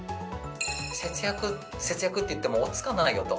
節約、節約といっても、追いつかないよと。